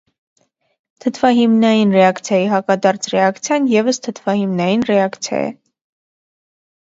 Թթվահիմնային ռեակցիայի հակադարձ ռեակցիան ևս թթվահիմնային ռեակցիա է։